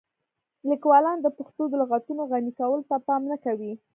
لیکوالان د پښتو د لغتونو غني کولو ته پام نه کوي.